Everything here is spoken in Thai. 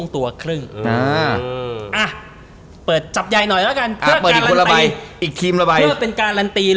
อ๋อถ้าต้องออกตัวสิ